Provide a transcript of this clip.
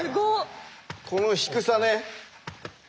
この低さね。